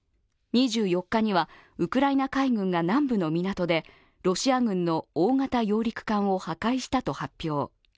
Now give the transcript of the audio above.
２４日にはウクライナ海軍が南部の港でロシア軍の大型揚陸艦を破壊したと発表。